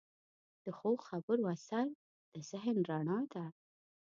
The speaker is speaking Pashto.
د ښو خبرو اثر د ذهن رڼا ده.